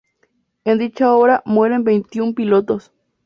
En dicha obra, mueren veintiún pilotos.